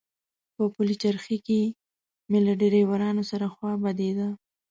په پلچرخي کې مې له ډریورانو سره خوا بدېده.